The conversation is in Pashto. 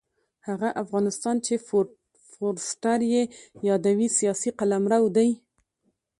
هغه افغانستان چې فورسټر یې یادوي سیاسي قلمرو دی.